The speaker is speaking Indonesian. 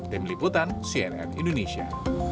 tim liputan cnn indonesia